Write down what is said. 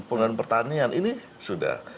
pembangunan pertanian ini sudah